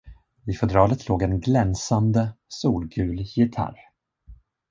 I fodralet låg en glänsande, solgul gitarr.